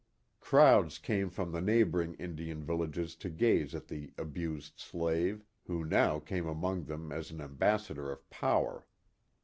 Crowds came from the neighboring Indian vil lages to gaze on the abused slave, who now came among them as an ambassador of power.